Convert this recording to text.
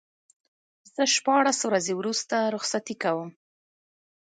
زه شپاړس ورځې وروسته رخصتي کوم.